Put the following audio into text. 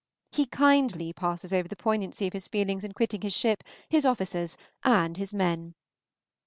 He kindly passes over the poignancy of his feelings in quitting his ship, his officers, and his men.